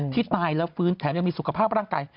ที่ตายแล้วฟื้นแถมยังมีสุขภาพร่างกาย